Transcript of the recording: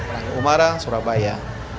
rai umara surabaya